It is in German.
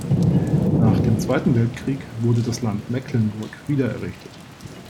Nach dem Zweiten Weltkrieg wurde das Land Mecklenburg wiedererrichtet.